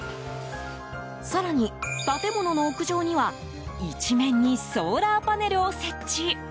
更に建物の屋上は一面にソーラーパネルを設置。